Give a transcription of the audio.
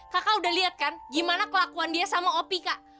kakak udah lihat kan gimana kelakuan dia sama opi kak